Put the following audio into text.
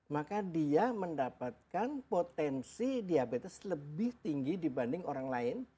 maka dia mendapatkan potensi diabetes lebih tinggi dibanding orang lain